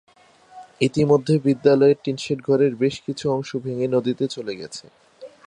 ইতিমধ্যে বিদ্যালয়ের টিনশেড ঘরের বেশ কিছু অংশ ভেঙে নদীতে চলে গেছে।